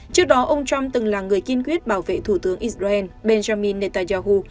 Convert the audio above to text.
trước đó ông trump từng là người kiên quyết bảo vệ thủ tướng israel benjamin netanyahu